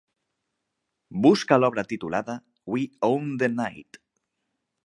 Busca l'obra titulada We Own The Night.